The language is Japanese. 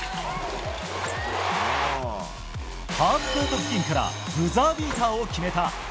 ハーフコート付近からブザービーターを決めた。